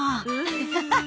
アハハハッ！